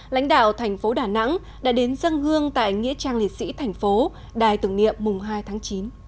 lãnh đạo thành phố đà nẵng đã đến dân hương tại nghĩa trang liệt sĩ thành phố đài tưởng niệm mùng hai tháng chín